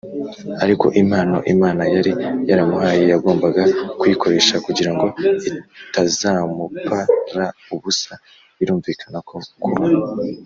Ariko impano Imana yari yaramuhaye yagombaga kuyikoresha kugira ngo itazamup ra ubusa Birumvikana ko kuba